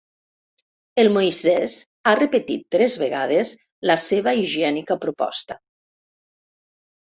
El Moisès ha repetit tres vegades la seva higiènica proposta.